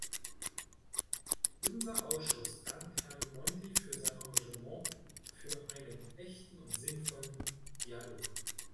Unser Ausschuss dankt Herrn Monti für sein Engagement für einen echten und sinnvollen Dialog.